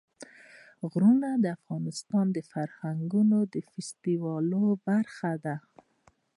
غرونه د افغانستان د فرهنګي فستیوالونو برخه ده.